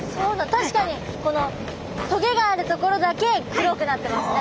確かにこの棘があるところだけ黒くなってますね。